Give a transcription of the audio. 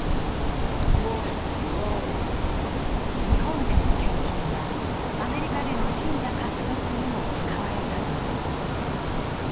日本での献金は、アメリカでの信者獲得にも使われたという。